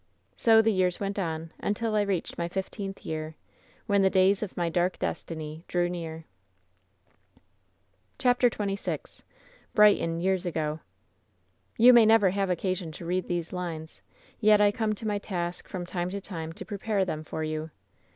"So the years went on until I reached my fifteenth year, when the days of my dark destiny drew near." 16!8 WHEN SHADOWS DIE CHAPTEE XXVI BBIQ KTON TEABS AGO ''YoTj may never have occasion to read these lines, yet I come to my task from time to time to prepare them for you.